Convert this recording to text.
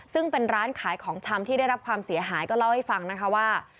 ซึ่งเป็นร้านขายของชำที่ได้รับความเสียหายก็เล่าให้ฟังนะคะว่า